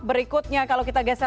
berikutnya kalau kita geser